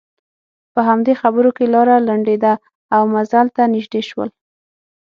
په همدې خبرو کې لاره لنډېده او منزل ته نژدې شول.